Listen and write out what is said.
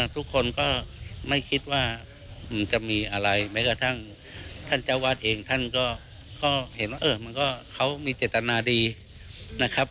ทุกคนก็ไม่คิดว่ามันจะมีอะไรแม้กระทั่งท่านเจ้าวาดเองท่านก็เห็นว่าเขามีเจตนาดีนะครับ